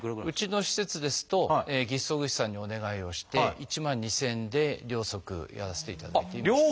うちの施設ですと義肢装具士さんにお願いをして１万２，０００円で両足やらせていただいています。